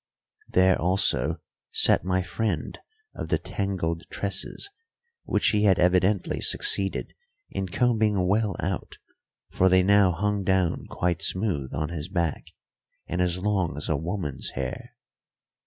There also sat my friend of the tangled tresses, which he had evidently succeeded in combing well out, for they now hung down quite smooth on his back and as long as a woman's hair.